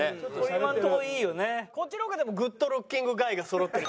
こっちの方がでもグッド・ルッキング・ガイがそろってる。